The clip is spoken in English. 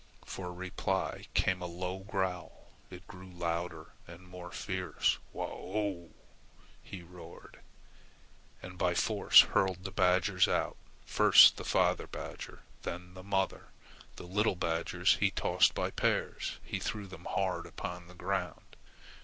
For reply came a low growl. It grew louder and more fierce. "Wa ough!" he roared, and by force hurled the badgers out. First the father badger; then the mother. The little badgers he tossed by pairs. He threw them hard upon the ground.